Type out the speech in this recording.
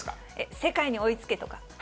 世界に追いつけとか。